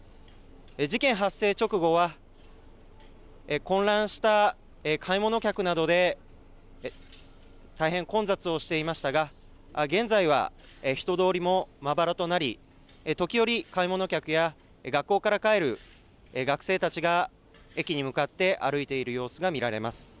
事件発生直後は、混乱した買い物客などで大変混雑をしていましたが、現在は人通りもまばらとなり、時折、買い物客や学校から帰る学生たちが、駅に向かって歩いている様子が見られます。